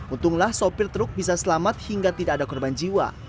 untunglah sopir truk bisa selamat hingga tidak ada korban jiwa